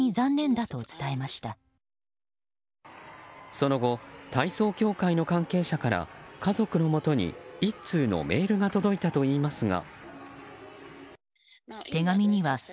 その後、体操協会の関係者から家族のもとに１通のメールが届いたといいますが。